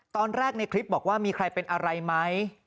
ในคลิปบอกว่ามีใครเป็นอะไรไหม